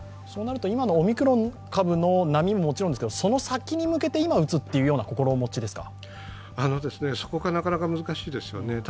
そうなると今のオミクロン株の波ももちろんですが、その先に向けて打つというそこがなかなか難しいですよね。